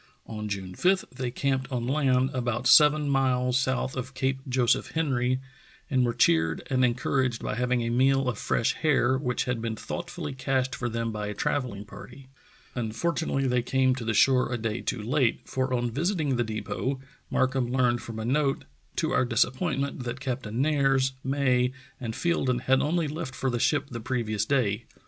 On June 5 they camped on land, about seven miles south of Cape Joseph Henry, and were cheered and en couraged by having a meal of fresh hare, which had been thoughtfully cached for them by a travelling party. Unfortunately they came to the shore a day too late, for on visiting the depot Markham learned from a note to our disappointment that Captain Nares, May, and Fielden had only left for the ship the previous day.